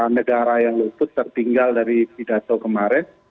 negara yang luput tertinggal dari pidato kemarin